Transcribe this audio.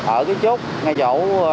ở cái chốt ngay chỗ